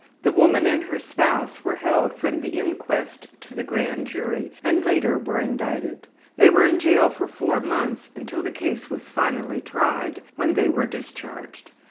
The woman and her spouse were held from the inquest to the grand jury and later were indicted. They were in jail for four months until the case was finally tried, when they were discharged.